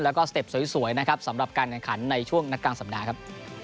แล้วก็สเต็ปสวยนะครับสำหรับการแข่งขันในช่วงนักกลางสัปดาห์ครับ